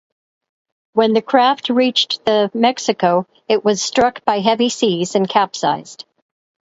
When the craft reached the "Mexico", it was struck by heavy seas and capsized.